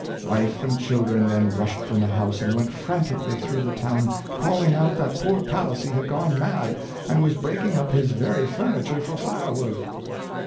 Wife and chil dren then rushed from the house, and went frantically through the town, calling out that poor Palissy had gone mad, and was breaking up his very furniture for firewood.